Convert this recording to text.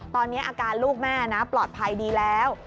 ตอนนี้อาการลูกแม่นะปลอดภัยดีแล้ว